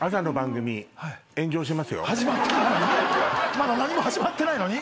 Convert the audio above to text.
まだ何も始まってないのに？